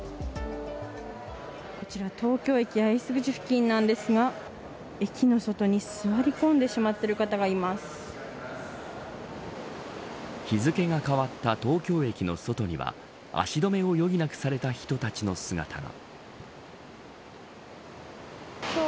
こちら東京駅八重洲口付近なんですが駅の外に座り込んでしまっている方がいま日付が変わった東京駅の外には足止めを余儀なくされた人たちの姿が。